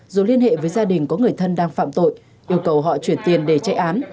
rồi liên hệ với gia đình có người thân đang phạm tội yêu cầu họ chuyển tiền để chạy án